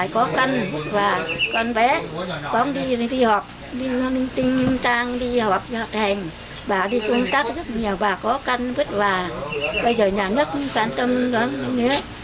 các nhà bà có căn rất là bây giờ nhà nước khán tâm lắm nghĩa